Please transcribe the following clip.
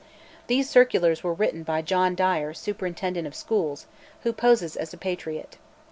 These circulars were written by John Dyer, superintendent of schools, who poses as a patriot.